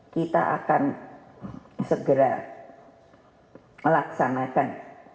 kita akan segera melaksanakan